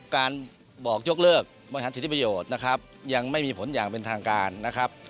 การบอกยกเลิกบริหารสิทธิประโยชน์นะครับยังไม่มีผลอย่างเป็นทางการนะครับ